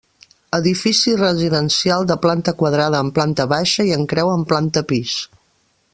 Edifici residencial de planta quadrada en planta baixa i en creu en planta pis.